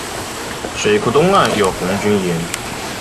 水库东岸有红军岩。